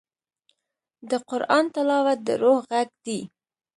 د قرآن تلاوت د روح غږ دی.